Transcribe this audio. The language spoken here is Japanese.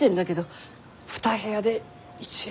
２部屋で１円。